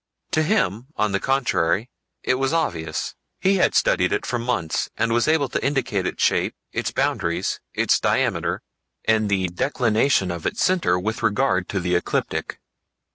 To him, on the contrary, it was obvious; he had studied it for months, and was able to indicate its shape, its boundaries, its diameter, and the declination of its center with regard to the ecliptic.